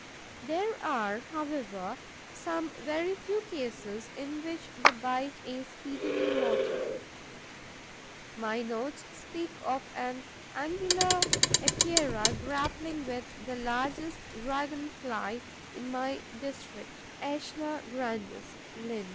There are, however, some very few cases in which the bite is speedily mortal. My notes speak of an Angular Epeira grappling with the largest Dragon fly in my district (AEshna grandis, LIN.).